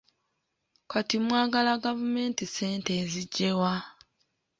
Kati mwagala gavumenti ssente eziggye wa?